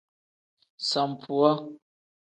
Sambuwa.